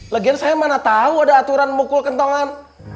lagian saya mana tau ada aturan memukul kentongan